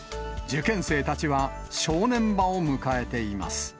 受験生たちは正念場を迎えています。